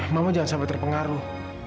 mama jangan sampai terpengaruh